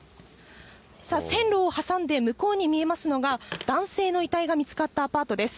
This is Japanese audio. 線路を挟んで向こうに見えますのが、男性の遺体が見つかったアパートです。